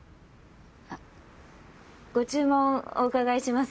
あっご注文お伺いします。